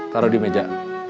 taruh di meja